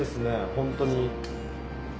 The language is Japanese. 本当に。